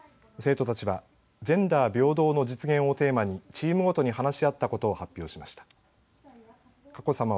生徒たちはジェンダー平等の実現をテーマにチームごとに話し合ったことを発表しました。